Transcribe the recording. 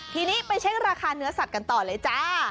ทีนี้ไปเช็คราคาเนื้อสัตว์กันต่อเลยจ้า